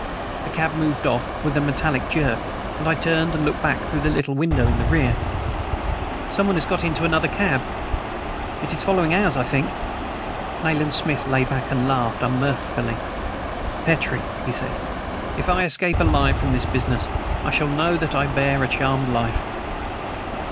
The cab moved off with a metallic jerk, and I turned and looked back through the little window in the rear. "Someone has got into another cab. It is following ours, I think." Nayland Smith lay back and laughed unmirthfully. "Petrie," he said, "if I escape alive from this business I shall know that I bear a charmed life."